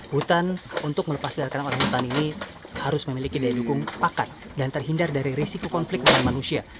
hutan untuk melepaskan orangutan ini harus memiliki daya dukung pakat dan terhindar dari risiko konflik dengan manusia